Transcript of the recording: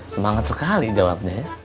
semangat sekali jawabnya ya